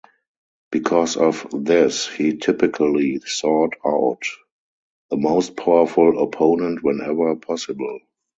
Because of this, he typically sought out the most powerful opponent whenever possible.